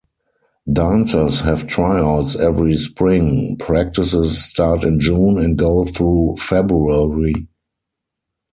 Dancers have tryouts every spring; practices start in June and go through February.